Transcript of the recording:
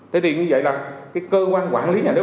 thế thì như vậy là cái cơ quan quản lý nhà nước